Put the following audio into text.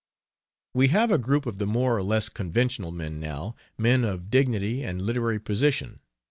We have a group of the more or less conventional men now men of dignity and literary position.